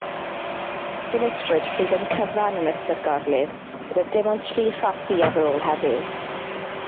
Dinistriwyd rhifyn cyfan yn ystod gorlif, gyda dim ond tri chopi ar ôl heddiw.